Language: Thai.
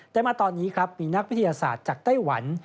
แต่มาตอนนี้ครับมีนักวิทยาศาสตร์จากไต้หวัน